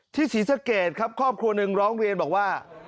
ที่ศิษย์เกตครับครอบครัวนึงร้องเรียนบอกว่า